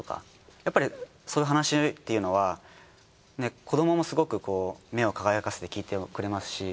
やっぱりそういう話っていうのは子どももすごく目を輝かせて聞いてくれますし。